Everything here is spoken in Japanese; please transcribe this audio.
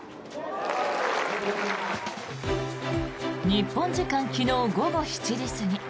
日本時間昨日午後７時過ぎ